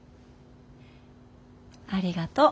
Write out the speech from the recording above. ありがとう。